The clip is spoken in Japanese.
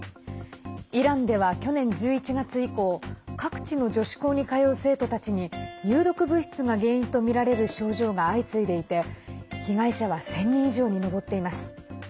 イランでは去年１１月以降各地の女子校に通う生徒たちに有毒物質が原因とみられる症状が相次いでいて被害者は１０００人以上に上っています。